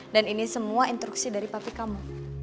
dan ini semua instruksi dari papi kamu